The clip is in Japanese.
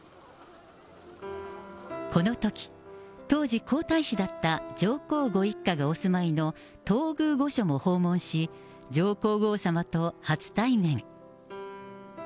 このとき、当時皇太子だった上皇ご一家がお住まいの東宮御所も訪問し、上皇后さまと初対面。